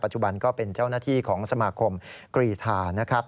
จุบันก็เป็นเจ้าหน้าที่ของสมาคมกรีธานะครับ